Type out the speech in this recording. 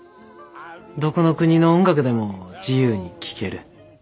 どこの国の音楽でも自由に聴ける。